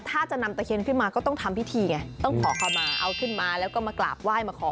ถ้าจะนำตะเคียนขึ้นมาก็ต้องทำพิธีไงต้องขอเข้ามาเอาขึ้นมาแล้วก็มากราบไหว้มาขอ